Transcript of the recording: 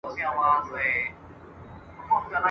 ما د قتل نوم دنيا ته دئ راوړى !.